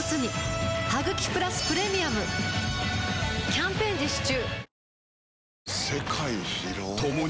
キャンペーン実施中